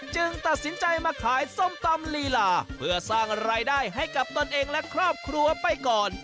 ตัดสินใจมาขายส้มตำลีลาเพื่อสร้างรายได้ให้กับตนเองและครอบครัวไปก่อน